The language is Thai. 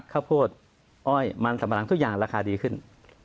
ข้าวโพดอ้อยมันสัมปะหลังทุกอย่างราคาดีขึ้น